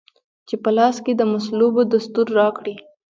چي په لاس کې د مصلوبو دستور راکړی